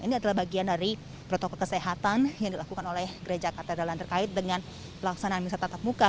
ini adalah bagian dari protokol kesehatan yang dilakukan oleh gereja katedrallan terkait dengan pelaksanaan misal tatap muka